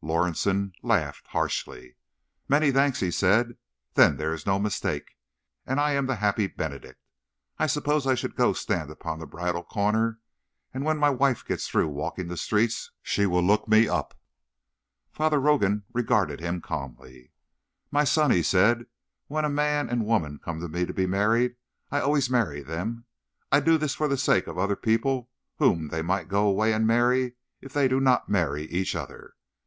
Lorison laughed harshly. "Many thanks," he said. "Then there is no mistake, and I am the happy benedict. I suppose I should go stand upon the bridal corner, and when my wife gets through walking the streets she will look me up." Father Rogan regarded him calmly. "My son," he said, "when a man and woman come to me to be married I always marry them. I do this for the sake of other people whom they might go away and marry if they did not marry each other.